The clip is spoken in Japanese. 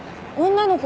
女の子？